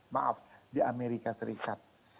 maaf di amerika serikat